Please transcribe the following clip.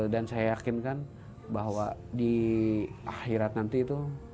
dan saya yakinkan bahwa di akhirat nanti itu